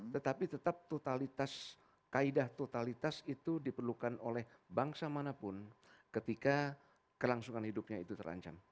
tetapi tetap kaidah totalitas itu diperlukan oleh bangsa manapun ketika kelangsungan hidupnya itu terancam